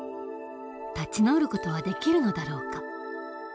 立ち直る事はできるのだろうか？